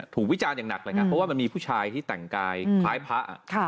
วิจารณ์อย่างหนักเลยครับเพราะว่ามันมีผู้ชายที่แต่งกายคล้ายพระ